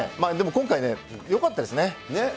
でも今回ね、よかったですね。